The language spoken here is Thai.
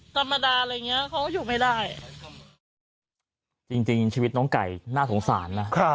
ธรรมดาอะไรอย่างเงี้ยเขาก็อยู่ไม่ได้จริงจริงชีวิตน้องไก่น่าสงสารนะ